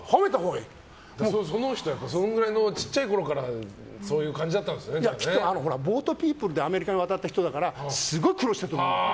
その人、小さいころからボートピープルでアメリカに渡った人だからすごい苦労したと思うの。